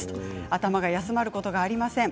頭が休まることがありません。